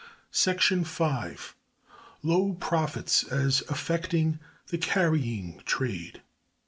§ 5. Low profits as affecting the carrying Trade.